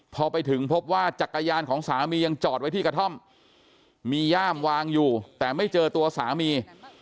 พอไปถึงพบว่าจักรยานของสามียังจอดไว้ที่กระท่อมมีย่ามวางอยู่แต่ไม่เจอตัวสามี